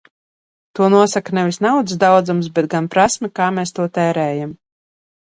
To nosaka nevis naudas daudzums, bet gan prasme, kā mēs to tērējam.